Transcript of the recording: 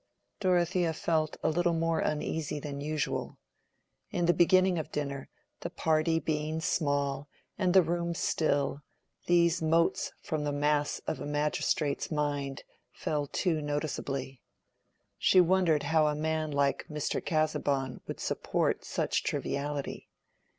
Dorothea felt a little more uneasy than usual. In the beginning of dinner, the party being small and the room still, these motes from the mass of a magistrate's mind fell too noticeably. She wondered how a man like Mr. Casaubon would support such triviality.